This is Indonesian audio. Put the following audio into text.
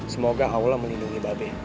semoga allah melindungi babi